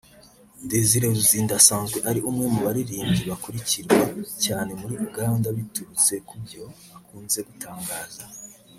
Desire Luzinda asanzwe ari umwe mu baririmbyi bakurikirwa cyane muri Uganda biturutse ku byo akunze gutangaza